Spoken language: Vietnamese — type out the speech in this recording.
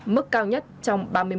mức cao nhất trong ba mươi một năm